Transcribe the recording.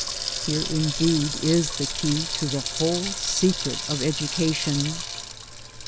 [Here indeed is the key to the whole secret of education.